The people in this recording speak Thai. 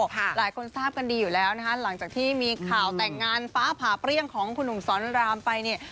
หลายคนทราบกันดีอยู่แล้วนะคะหลังจากที่มีข่าวแต่งงานฟ้าผ่าเปรี้ยงของคุณหนุ่มสอนรามไปเนี่ย